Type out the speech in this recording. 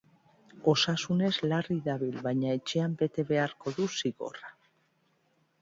Osasunez larri dabil, baina etxean bete beharko du zigorra.